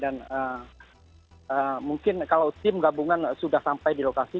dan mungkin kalau tim gabungan sudah sampai di lokasi